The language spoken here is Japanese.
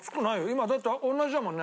今だって同じだもんね？